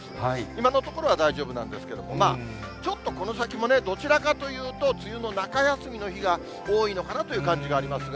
今のところは大丈夫なんですけども、ちょっとこの先もね、どちらかというと、梅雨の中休みの日が多いのかなという感じがありますが。